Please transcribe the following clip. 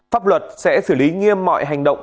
pháp luật sẽ xử lý nghiêm mọi hành động